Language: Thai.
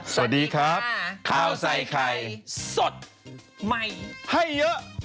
สวัสดีครับข้าวใส่ไข่สดใหม่ให้เยอะ